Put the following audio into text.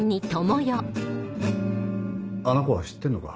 あの子は知ってんのか？